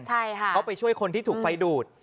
เขาไปช่วยคนที่ถูกไฟดูด